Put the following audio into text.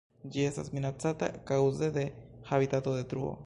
Ĝi estas minacata kaŭze de habitatodetruo.